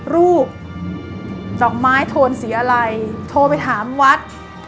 รูปดอกไม้โทนสีอะไรโทรไปถามวัด